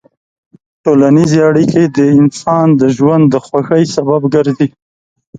ټولنیز اړیکې د انسان د ژوند د خوښۍ سبب ګرځي.